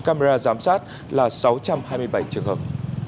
camera giám sát là sáu trăm hai mươi bảy trường hợp